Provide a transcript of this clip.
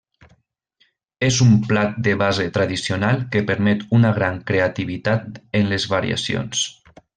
És un plat de base tradicional que permet una gran creativitat en les variacions.